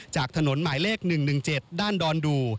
จากถนนหมายเลข๑๑๗ด้านดอนดู